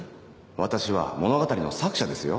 私は物語の作者ですよ